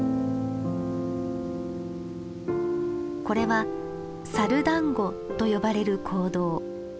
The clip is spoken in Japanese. これは「サル団子」と呼ばれる行動。